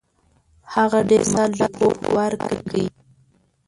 هغه ډېر مفصل رپوټ ورکړ.